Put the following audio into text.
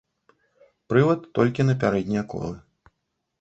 Прывад толькі на пярэднія колы.